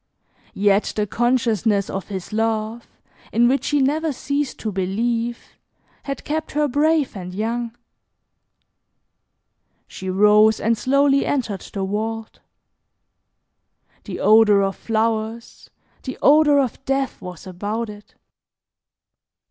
Yet the consciousness of his love, in which she never ceased to believe, had kept her brave and young. She rose and slowly entered the vault. The odor of flowers, the odor of death was about it.